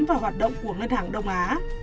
và hoạt động của ngân hàng đông á